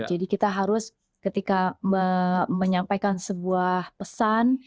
jadi kita harus ketika menyampaikan sebuah pesan